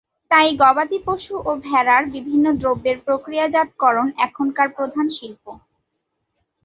তাই গবাদি পশু ও ভেড়ার বিভিন্ন দ্রব্যের প্রক্রিয়াজাতকরণ এখানকার প্রধান শিল্প।